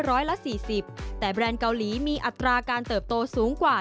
ร้อยละ๔๐แต่แบรนด์เกาหลีมีอัตราการเติบโตสูงกว่า